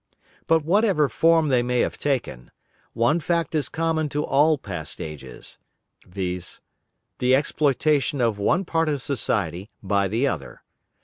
But whatever form they may have taken, one fact is common to all past ages, viz., the exploitation of one part of society by the other.